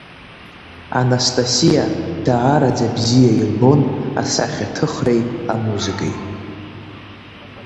Анастасиа даараӡа бзиа илбон асахьаҭыхреи, амузыкеи.